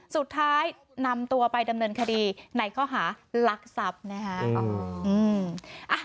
สุดท้ายนำตัวไปดำเนินคดีไหนก็หาหลักศัพท์นะครับ